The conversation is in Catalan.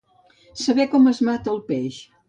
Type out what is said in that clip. Saber com es mata el peix.